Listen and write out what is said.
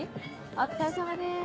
お疲れさまです。